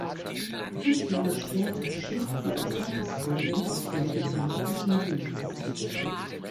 Fünf Jahre später schied sie aus Altersgründen aus dem diplomatischen Dienst.